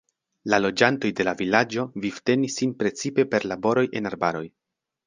La loĝantoj de la vilaĝo vivtenis sin precipe per laboroj en arbaroj.